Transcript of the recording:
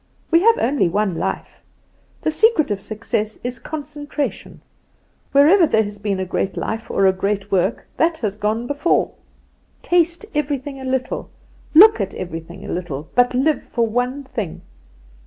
We have only one life. The secret of success is concentration; wherever there has been a great life, or a great work, that has gone before. Taste everything a little, look at everything a little; but live for one thing.